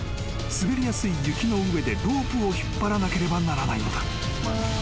［滑りやすい雪の上でロープを引っ張らなければならないのだ］